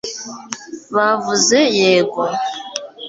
bavuze yego